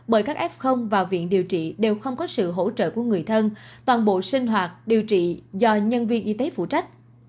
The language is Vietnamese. bởi các f và viện điều trị đều không có sự hỗ trợ của người thân toàn bộ sinh hoạt điều trị do nhân viên y tế phụ trách